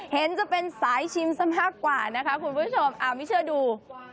เห็นจะเป็นสายชิมซะมากกว่านะคะคุณผู้ชมไม่เชื่อดู